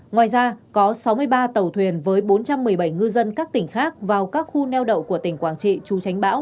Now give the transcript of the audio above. ngoài ra có sáu mươi ba tàu thuyền với bốn trăm một mươi bảy ngư dân các tỉnh khác vào các khu neo đậu